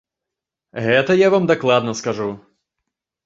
Гэта я вам дакладна скажу.